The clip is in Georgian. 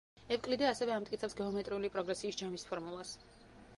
ევკლიდე ასევე ამტკიცებს გეომეტრიული პროგრესიის ჯამის ფორმულას.